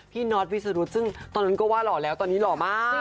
น็อตวิสรุธซึ่งตอนนั้นก็ว่าหล่อแล้วตอนนี้หล่อมาก